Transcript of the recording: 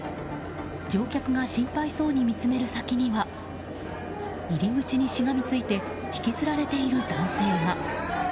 乗客が心配そうに見つめる先には入り口にしがみついて引きずられている男性が。